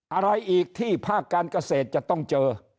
อะไรอีกที่ภาคการเกษตรจะต้องเจอ